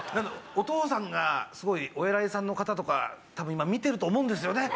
お父さんがすごいお偉いさんの方とかたぶん今見てると思うんですよね